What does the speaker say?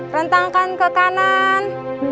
rentangkan ke kanan